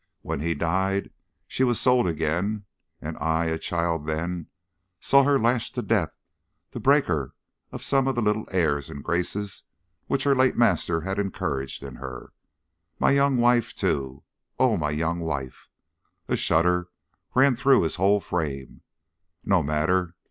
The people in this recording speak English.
When he died she was sold again, and I, a child then, saw her lashed to death to break her of some of the little airs and graces which her late master had encouraged in her. My young wife, too, oh, my young wife!" a shudder ran through his whole frame. "No matter!